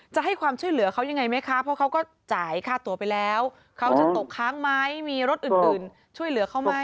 จะให้ความช่วยเหลือเขายังไงไหมคะเพราะเขาก็จ่ายค่าตัวไปแล้วเขาจะตกค้างไหมมีรถอื่นช่วยเหลือเขาไหม